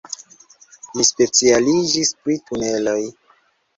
Li specialiĝis pri tuneloj.